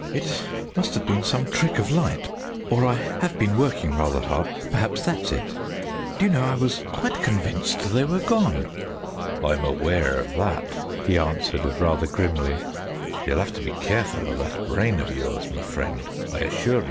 "It must have been some trick of light, or I have been working rather hard, perhaps that's it. Do you know, I was quite convinced they were gone." "I'm aware of that," he answered rather grimly; "ye'll have to be careful of that brain of yours, my friend, I assure ye."